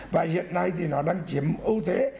và hiện nay thì nó đang chiếm ưu thế